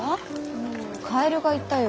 うんカエルがいたよ。